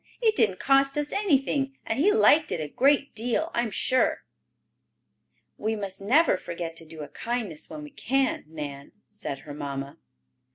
"It didn't cost us anything and he liked it a great deal, I am sure." "We must never forget to do a kindness when we can, Nan," said her mamma.